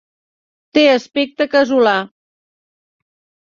Té aspecte casolà.